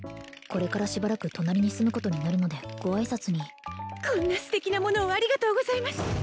これからしばらく隣に住むことになるのでご挨拶にこんなステキなものをありがとうございます！